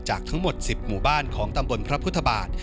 จากทั้งหมด๑๐หมู่บ้านของตำบลพระพุทธบาท